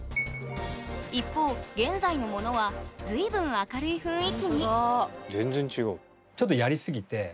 一方現在のものは随分明るい雰囲気にほんとだ。